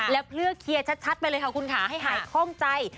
และเพื่อเคลียร์ชัดไปเลยค่ะคุณค่ะให้หายคล่องใจ